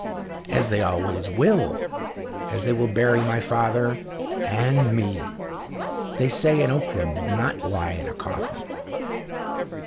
"As they always will as they will bury my father, and me. They say an Ockram will not lie in a coffin."